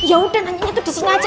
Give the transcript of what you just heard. awalnya tuh disini aja